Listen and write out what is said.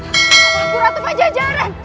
aku ratu majajaran